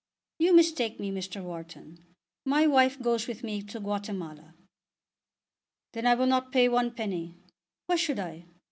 "You mistake me, Mr. Wharton. My wife goes with me to Guatemala." "Then I will not pay one penny. Why should I?